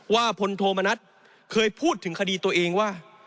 พลโทมณัฐเคยพูดถึงคดีตัวเองว่า